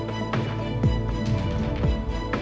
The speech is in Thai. ได้แล้ว